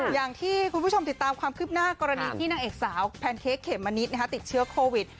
อย่างที่คุณผู้ชมติดตามความคืบหน้ากรณีที่นางเอกสาวแพนเค้กเขมมะนิดติดเชื้อโควิด